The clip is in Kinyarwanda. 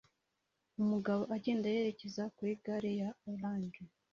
Umugabo agenda yerekeza kuri gare ya orange